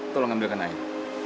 tolong ambilkan air